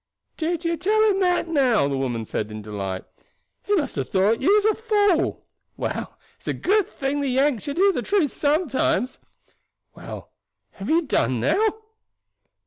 "Did you tell him that, now?" the woman said in delight; "he must have thought you was a fool. Well, it's a good thing the Yanks should hear the truth sometimes. Well, have you done now?"